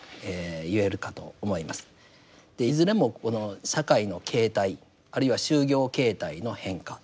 いずれもこの社会の形態あるいは就業形態の変化